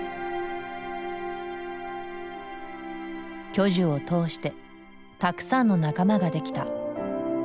巨樹をとおしてたくさんの仲間ができた。